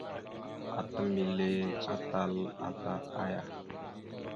Ata mbelle atal ata aya.